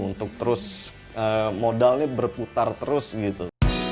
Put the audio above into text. untuk terus modalnya berputar terus gitu